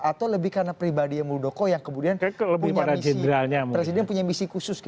atau lebih karena pribadi murdoko yang kemudian punya misi khusus